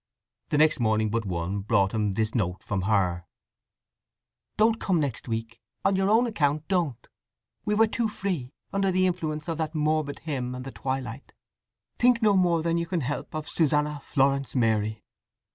The next morning but one brought him this note from her: Don't come next week. On your own account don't! We were too free, under the influence of that morbid hymn and the twilight. Think no more than you can help of SUSANNA FLORENCE MARY.